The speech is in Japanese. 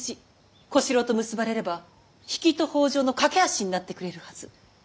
小四郎と結ばれれば比企と北条の懸け橋になってくれるはず。